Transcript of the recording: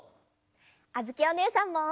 あづきおねえさんも！